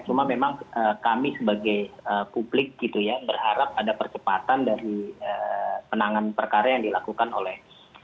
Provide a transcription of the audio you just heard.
cuma memang kami sebagai publik gitu ya berharap ada percepatan dari penanganan perkara yang dilakukan oleh